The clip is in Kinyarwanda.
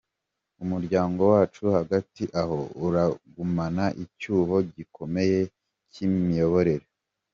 Umuryango wacu, hagati aho uragumana icyuho gikomeye cy’ imiyoborere.